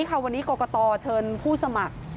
วันนี้กรกตเชิญผู้สมัคร